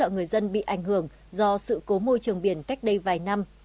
hỗ trợ người dân bị ảnh hưởng do sự cố môi trường biển cách đây vài năm